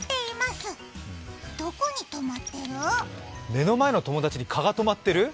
目の前の友達に蚊がとまってる？